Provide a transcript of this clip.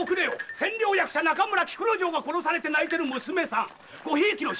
千両役者中村菊之丞が殺されて泣いてる娘さんごひいきの衆。